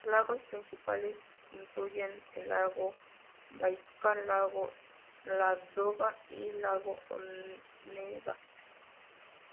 Los lagos principales incluyen el lago Baikal, lago Ládoga y lago Onega.